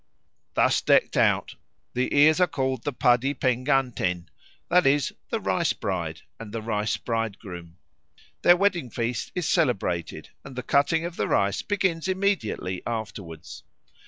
Thus decked out, the ears are called the padi peengantèn, that is, the Rice bride and the Rice bridegroom; their wedding feast is celebrated, and the cutting of the rice begins immediately afterwards.